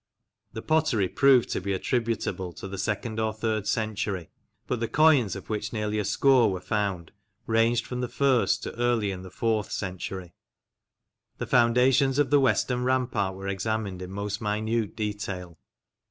The pottery proved to be attributable to the second or third century, but the coins, of which nearly a score were found, ranged from the first to early in the fourth century. The foundations of the western rampart were examined in most minute detail.